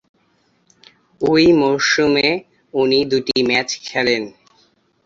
ওই মরসুমে উনি দুটি ম্যাচ খেলেন।